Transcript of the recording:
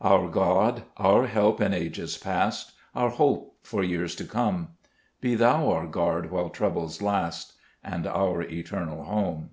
7 Our God, our Help in ages past ; Our Hope for years to come ; Be Thou our Guard while troubles last, And our eternal Home.